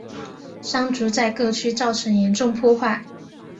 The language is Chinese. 山竹在各区造成严重破坏。